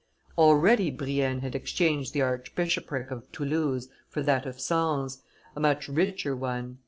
Already Brienne had exchanged the archbishopric of Toulouse for that of Sens, a much richer one.